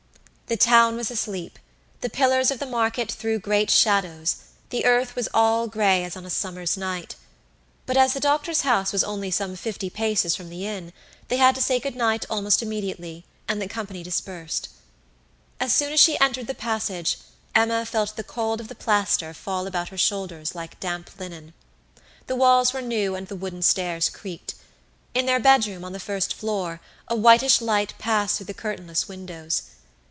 The town was asleep; the pillars of the market threw great shadows; the earth was all grey as on a summer's night. But as the doctor's house was only some fifty paces from the inn, they had to say good night almost immediately, and the company dispersed. As soon as she entered the passage, Emma felt the cold of the plaster fall about her shoulders like damp linen. The walls were new and the wooden stairs creaked. In their bedroom, on the first floor, a whitish light passed through the curtainless windows.